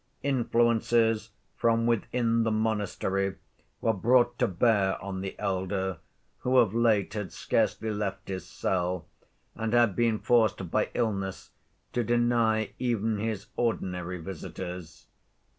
Influences from within the monastery were brought to bear on the elder, who of late had scarcely left his cell, and had been forced by illness to deny even his ordinary visitors.